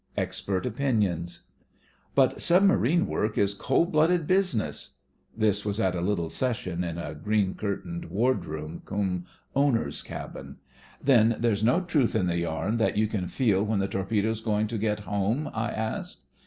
EXPERT OPINIONS "But submarine work is cold blooded business." (This was at a little session in a 74 THE FRINGES OF THE FLEET green curtained "wardroom" cum owner's cabin.) "Then there's no truth in the yarn that you can feel when the torpedo's going to get home?" I asked.